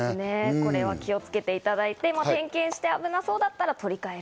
これは気をつけていただいて、点検して、危なそうだったら取り替える。